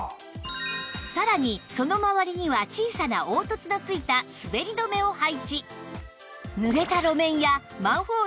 さらにその周りには小さな凹凸の付いた滑り止めを配置